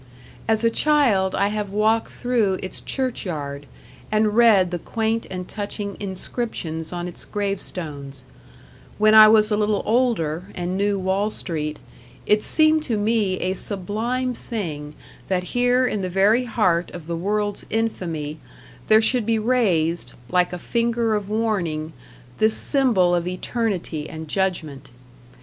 As a child I have walked through its church yard and read the quaint and touching inscriptions on its grave stones; when I was a little older, and knew Wall Street, it seemed to me a sublime thing that here in the very heart of the world's infamy there should be raised, like a finger of warning, this symbol of Eternity and Judgment.